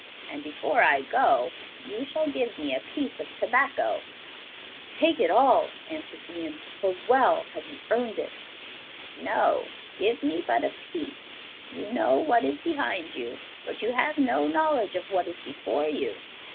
And before I go you shall give me a piece of tobacco.' 'Take it all,' answered Ian, 'for well have you earned it.' 'No; give me but a piece. You know what is behind you, but you have no knowledge of what is before you.